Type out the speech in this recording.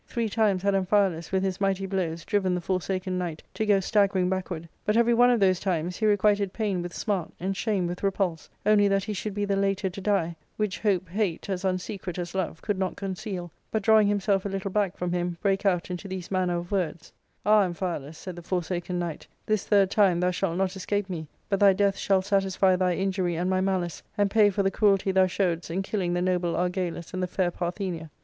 Three timesThad Amphialus, with his mighty blows, driven the Forsaken Knight to go staggering backward, but every one of those times he requited pain with smart, and shame with repulse, only that he should be the later to die, uvhich hope hate, as unsecret as love, could not conceal, but drawing himself a little back from him, brake out into these manner of words :—" Ah, Amphialus," said the Forsaken Knight, " this third time thou shalt not escape me, but thy death shall satisfy thy injury and my malice, and pay for the cruelty thou showedst in killing the noble Argalus and the fair Parthenia.''